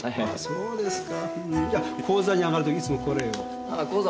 そうですか。